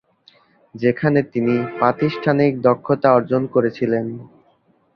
যেখানে তিনি প্রাতিষ্ঠানিক দক্ষতা অর্জন করেছিলেন।